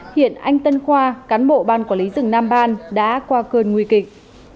hiện anh tân khoa cán bộ ban quản lý rừng nam ban đã qua cơn nguy kịch